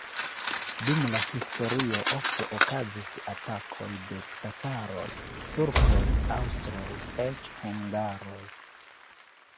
Dum la historio ofte okazis atakoj de tataroj, turkoj, aŭstroj, eĉ hungaroj.